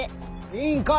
いいんか？